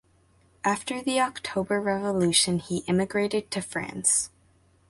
After the October Revolution he emigrated to France.